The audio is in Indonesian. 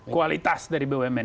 kualitas dari bumn